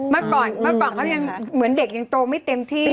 เมื่อก่อนเขาเหมือนเด็กตัวยังไม่เต็มที่